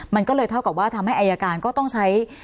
มันก็เลยเท่ากับว่าทำให้อายการก็ต้องใช้